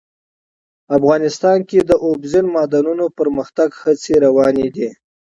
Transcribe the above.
افغانستان کې د اوبزین معدنونه د پرمختګ هڅې روانې دي.